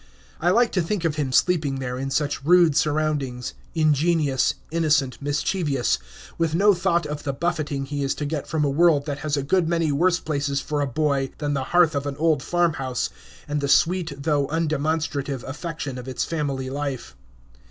I like to think of him sleeping there, in such rude surroundings, ingenious, innocent, mischievous, with no thought of the buffeting he is to get from a world that has a good many worse places for a boy than the hearth of an old farmhouse, and the sweet, though undemonstrative, affection of its family life.